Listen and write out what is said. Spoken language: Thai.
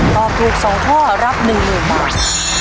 ตอบถูก๒ข้อรับ๑หนึ่งบาท